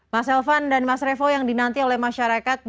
mas elvan dan mas revo yang dinanti oleh masyarakat